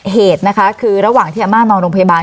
เหตุนะคะคือระหว่างที่อาม่านอนโรงพยาบาล